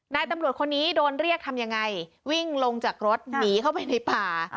นายตำรวจคนนี้โดนเรียกทำยังไงวิ่งลงจากรถหนีเข้าไปในป่า